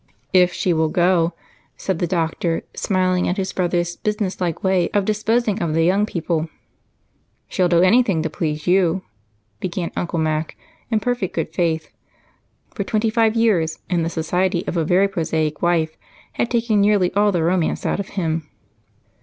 "If she will go," said the doctor, smiling at his brother's businesslike way of disposing of the young people. "She'll do anything to please you," began Uncle Mac in perfect good faith, for twenty five years in the society of a very prosaic wife had taken nearly all the romance out of him.